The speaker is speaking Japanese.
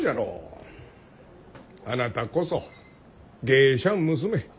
あなたこそ芸者ん娘。